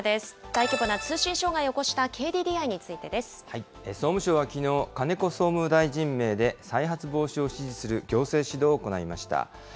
大規模な通信障害を起こしたＫＤ総務省はきのう、金子総務大臣名で、再発防止を指示する行政指導を行いました。